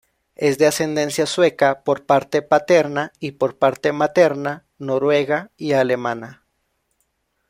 Es de ascendencia sueca por parte paterna y por parte materna noruega y alemana.